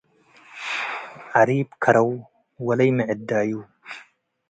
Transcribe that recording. ዐሪብ ከረው ወለይ ምዕዳዩ